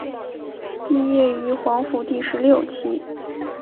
毕业于黄埔第十六期。